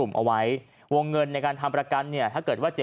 โป่งแร่ตำบลพฤศจิตภัณฑ์